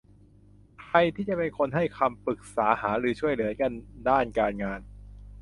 ใครที่จะเป็นคนให้คำปรึกษาหารือช่วยเหลือกันด้านการงาน